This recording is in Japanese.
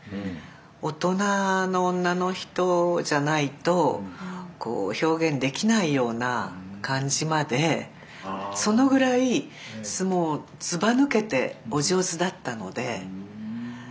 大人の女の人じゃないとこう表現できないような感じまでそのぐらいもうずばぬけてお上手だったので。